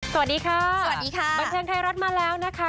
สวัสดีค่ะสวัสดีค่ะบันเทิงไทยรัฐมาแล้วนะคะ